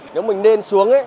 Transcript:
nếu mình lên xuống ấy